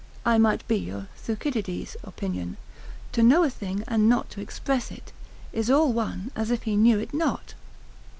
I might be of Thucydides' opinion, to know a thing and not to express it, is all one as if he knew it not.